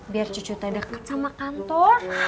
biar cucu teh deket sama kantor